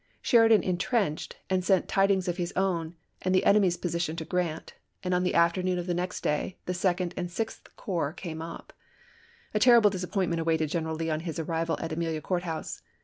Sheridan intrenched, and sent tidings of his own and the enemy's position to Grant, and on the afternoon of the next day the Second and Api. 5, 1865. Sixth Corps came up. A terrible disappointment awaited General Lee on his arrival at Amelia Court House.